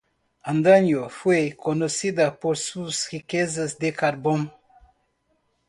Antaño fue conocida por sus riquezas de carbón.